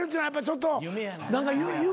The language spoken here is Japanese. ちょっと。